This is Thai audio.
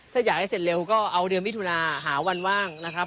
ถ้าอยากให้เสร็จเร็วก็เอาเดือนมิถุนาหาวันว่างนะครับ